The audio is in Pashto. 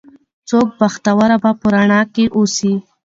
څوک بختوره به په رڼا کې اوسي